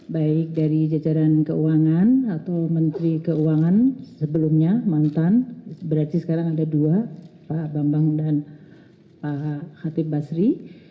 baik dari jajaran keuangan atau menteri keuangan sebelumnya mantan berarti sekarang ada dua pak bambang dan pak hatip basri